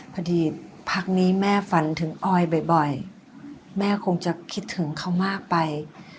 พอดีพักนี้แม่ฝันถึงออยบ่อยแม่คงจะคิดถึงเขามากไป